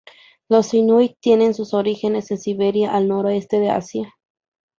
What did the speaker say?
Los inuit tienen sus orígenes en Siberia, al noreste de Asia.